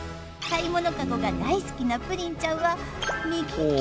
買い物かごが大好きなプリンちゃんは右利き？